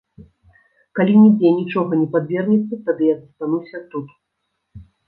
Калі нідзе нічога не падвернецца, тады я застануся тут.